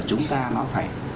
chúng ta nó phải